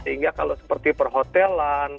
sehingga kalau seperti perhotelan